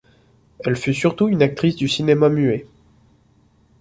Elle fut surtout une actrice du cinéma muet.